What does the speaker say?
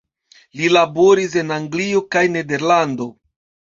Li laboris en Anglio kaj Nederlando.